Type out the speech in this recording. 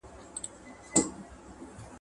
فرعون غوټه د خپل زړه کړه ورته خلاصه ..